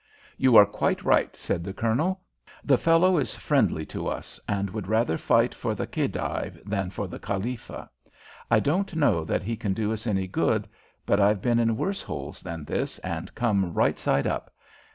"You are quite right," said the Colonel. "The fellow is friendly to us, and would rather fight for the Khedive than for the Khalifa. I don't know that he can do us any good, but I've been in worse holes than this, and come out right side up.